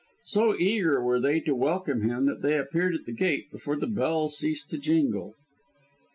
So eager were they to welcome him that they appeared at the gate before the bell ceased to jingle.